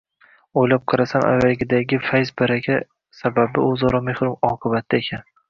O‘ylab qarasam, avvalgilardagi fayz-baraka sababi o‘zaro mehr-oqibatda ekan.